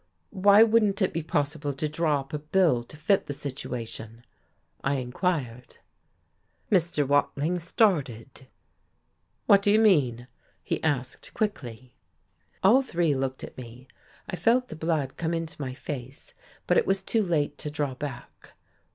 "Why wouldn't it be possible to draw up a bill to fit the situation?" I inquired. Mr. Wading started. "What do you mean?" he asked quickly. All three looked at me. I felt the blood come into my face, but it was too late to draw back.